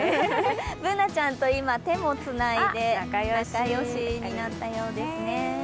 Ｂｏｏｎａちゃんと今、手をつないで仲良しになったようですね。